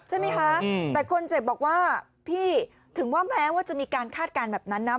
ใช่ไหมคะแต่คนเจ็บบอกว่าพี่ถึงว่าแม้ว่าจะมีการคาดการณ์แบบนั้นนะ